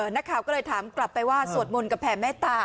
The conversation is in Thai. นักข่าวก็เลยถามกลับไปว่าสวดมนต์กับแผ่แม่ตา